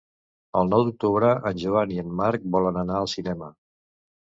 El nou d'octubre en Joan i en Marc volen anar al cinema.